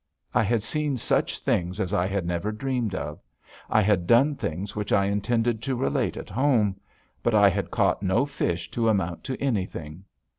I had seen such things as I had never dreamed of. I had done things which I intended to relate at home. But I had caught no fish to amount to anything.